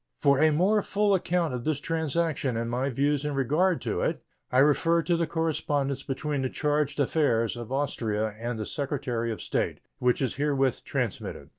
For a more full account of this transaction and my views in regard to it I refer to the correspondence between the charge d'affaires of Austria and the Secretary of State, which is herewith transmitted.